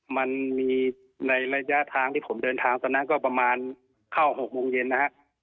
มันมีในระยะทางที่ผมเดินทางตอนนั้นก็ประมาณเข้า๖โมงเย็นนะฮะ